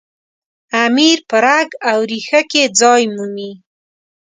امیر په رګ او ریښه کې ځای مومي.